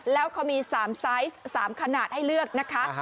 แล้วเขามี๓ไซส์๓ขนาดให้เลือกนะคะ